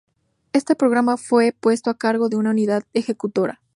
Este programa fue puesto a cargo de una "unidad ejecutora".